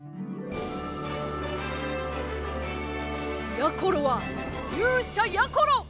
やころはゆうしゃやころ！